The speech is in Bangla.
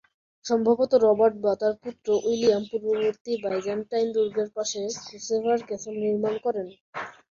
সম্ভবত রবার্ট বা তার পুত্র উইলিয়াম পূর্ববর্তী বাইজান্টাইন দুর্গের পাশে ক্রুসেডার ক্যাসল নির্মাণ করেন।